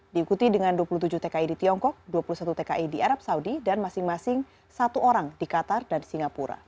diikuti dengan dua puluh tujuh tki di tiongkok dua puluh satu tki di arab saudi dan masing masing satu orang di qatar dan singapura